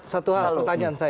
satu hal pertanyaan saya